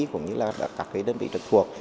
cũng như là các cái đơn vị trực thuộc